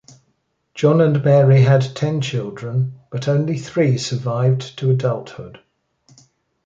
John and Mary had ten children, but only three survived to adulthood.